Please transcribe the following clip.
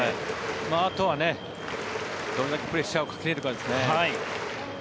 あとは、どれだけプレッシャーをかけられるかですね。